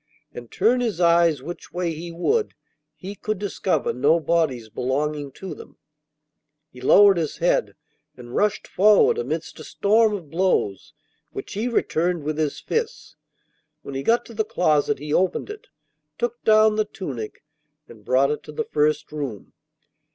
And, turn his eyes which way he would, he could discover no bodies belonging to them. He lowered his head and rushed forward amidst a storm of blows, which he returned with his fists. When he got to the closet, he opened it, took down the tunic, and brought it to the first room.